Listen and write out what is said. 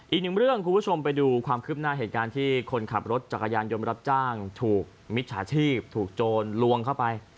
อีกหนึ่งเรื่องคุณผู้ชมไปดูความคืบหน้าเหตุการณ์ที่คนขับรถจักรยานยนต์รับจ้างถูกมิจฉาชีพถูกโจรลวงเข้าไป